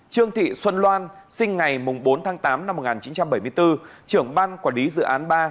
trương thị xuân loan sinh ngày bốn tháng tám năm một nghìn chín trăm bảy mươi bốn trưởng ban quản lý dự án ba